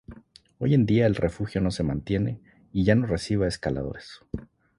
Hoy en día, el refugio no se mantiene y ya no recibe a escaladores.